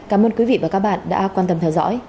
cảm ơn quý vị và các bạn đã quan tâm theo dõi